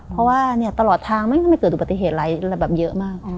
เพราะว่าตลอดทางมันก็ไม่เกิดอุบัติเหตุอะไรแบบเยอะมาก